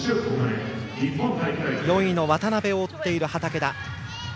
４位の渡部を追っている畠田。